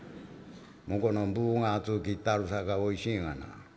「向こうの分が厚う切ってあるさかいおいしいがな」。